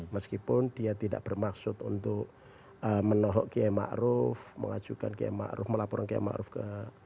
meskipun dia tidak bermaksud untuk menohok qm a'ruf mengajukan qm a'ruf melaporan qm a'ruf ke